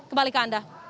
kembali ke anda